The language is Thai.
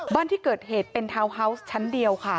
บ้านที่เกิดเหตุเป็นทาวน์ฮาวส์ชั้นเดียวค่ะ